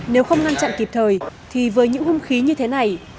nếu không ngăn chặn kịp thời thì với những hung khí như thế này